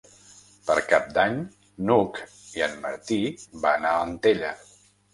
Per Cap d'Any n'Hug i en Martí van a Antella.